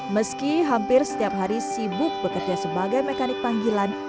meski hampir setiap hari sibuk bekerja sebagai mekanik panggilan